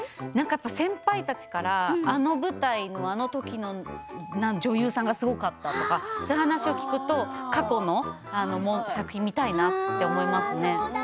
先輩たちからあの舞台のあの時の女優さんがすごかったとかそういう話を聞くと過去の作品見たいなって思いますね。